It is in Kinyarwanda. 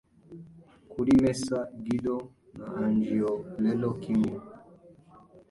Kuri Messer Guido na Angiolello kimwe